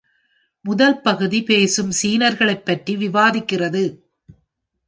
முதல் பகுதி பேசும் சீனர்களைப் பற்றி விவாதிக்கிறது.